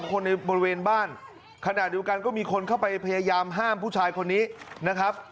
คนในบริเวณบ้านขณะเดียวกันก็มีคนเข้าไปพยายามห้ามผู้ชายคนนี้นะครับ